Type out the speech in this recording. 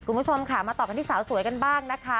คุณผู้ชมค่ะมาต่อกันที่สาวสวยกันบ้างนะคะ